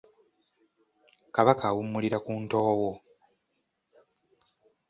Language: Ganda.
Kabaka awummulira ku Ntoowo.